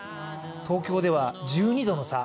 東京では１２度の差。